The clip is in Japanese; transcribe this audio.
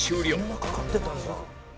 「そんなかかってたんだ」